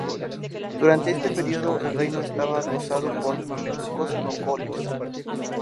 Durante este periodo, el reino estaba acosado por Mamelucos y Mongoles.